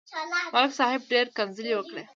ملک صاحب ډېره کنځلې وکړې.